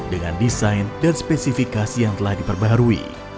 dengan desain dan spesifikasi yang telah diperbarui